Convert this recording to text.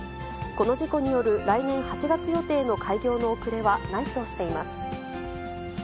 この事故による来年８月予定の開業の遅れはないとしています。